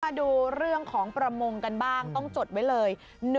มาดูเรื่องของประมงกันบ้างต้องจดไว้เลย